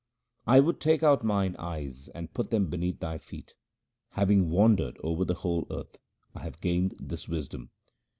I would take out mine eyes and put them beneath Thy feet : having wandered over the whole earth I have gained this wisdom.